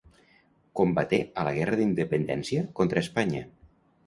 Combaté a la guerra d'independència contra Espanya.